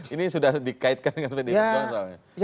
ini sudah dikaitkan dengan pdi perjuangan soalnya